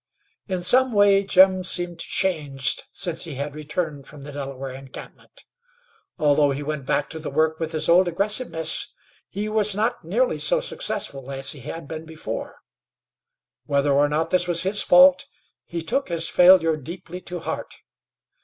In some way Jim seemed changed since he had returned from the Delaware encampment. Although he went back to the work with his old aggressiveness, he was not nearly so successful as he had been before. Whether or not this was his fault, he took his failure deeply to heart.